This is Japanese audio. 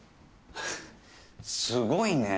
すごいね。